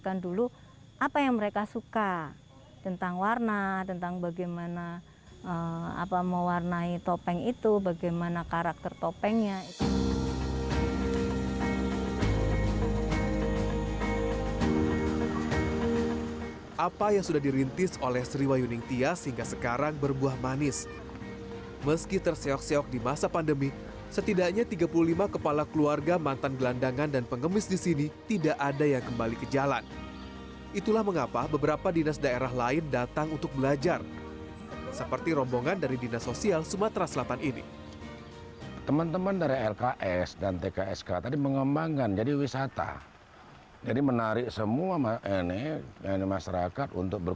kampung topeng jawa timur